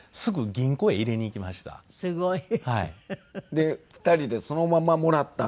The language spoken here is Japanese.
で２人でそのままもらったので。